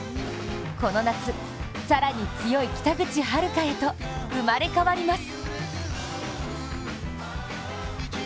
この夏、更に強い北口榛花へと生まれ変わります。